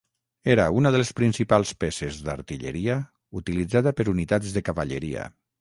Era una de les principals peces d'artilleria utilitzada per unitats de cavalleria.